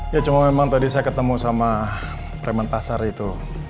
ya cuma memang tadi saya ketemu sama preman pasar itu